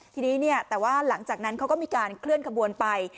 ทีนี้แต่ว่าหลังจากนั้นเขาก็มีการเคลื่อนขบวนไป